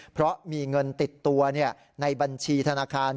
เพราะมีเงินติดตัวในบัญชีธนาคาร